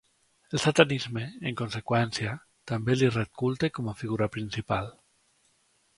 El satanisme, en conseqüència, també li ret culte com a figura principal.